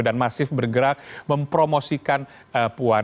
dan masif bergerak mempromosikan puan